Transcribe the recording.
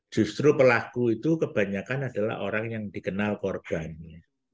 justru pelaku itu kebanyakan adalah orang yang dikenal korbannya